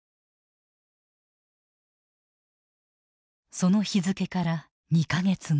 その日付から２か月後。